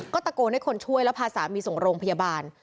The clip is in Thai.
ก็ตะโกนให้คนช่วยแล้วพาสามีส่งโรงพยาบาล